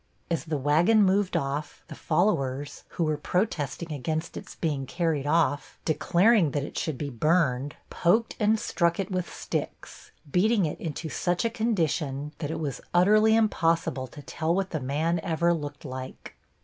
As the wagon moved off, the followers, who were protesting against its being carried off, declaring that it should be burned, poked and struck it with sticks, beating it into such a condition that it was utterly impossible to tell what the man ever looked like.